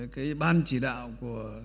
cái ban chỉ đạo của